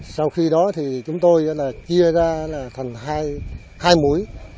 sau khi đó thì chúng tôi chia ra thành hai mũi